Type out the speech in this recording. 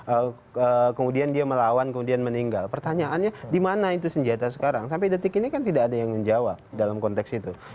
oh kemudian dia melawan kemudian meninggal pertanyaannya di mana itu senjata sekarang sampai detik ini kan tidak ada yang menjawab dalam konteks itu